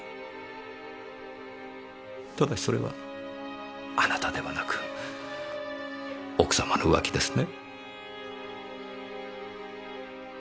ただしそれはあなたではなく奥様の浮気ですね？